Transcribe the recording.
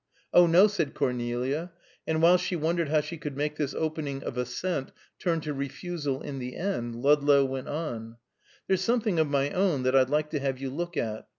"Oh, no," said Cornelia, and while she wondered how she could make this opening of assent turn to refusal in the end, Ludlow went on: "There's something of my own, that I'd like to have you look at.